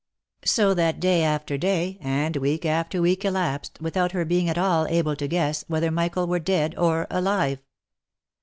So that day after day, and week after week elapsed, without her being at all able to guess, whether Michael were dead or alive.